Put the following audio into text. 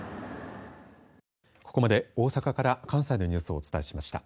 ここまで大阪から関西のニュースをお伝えしました。